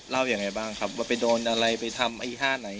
ยังไงบ้างครับว่าไปโดนอะไรไปทำไอ้ท่าไหน